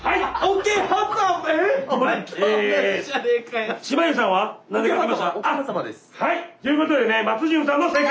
桶狭間です。ということでね松潤さんの正解！